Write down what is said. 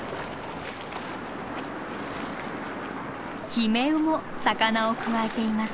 ヒメウも魚をくわえています。